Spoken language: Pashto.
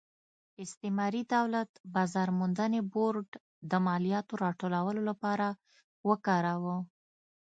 استعماري دولت بازار موندنې بورډ د مالیاتو راټولولو لپاره وکاراوه.